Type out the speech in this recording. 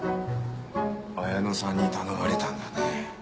綾乃さんに頼まれたんだね。